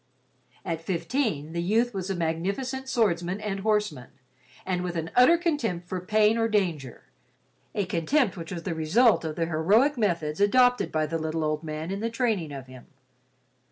At fifteen, the youth was a magnificent swordsman and horseman, and with an utter contempt for pain or danger—a contempt which was the result of the heroic methods adopted by the little old man in the training of him.